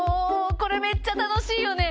これめっちゃ楽しいよね！